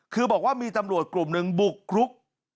คือบอกว่ามีตำรวจกลุ่มหนึ่งบุกรุก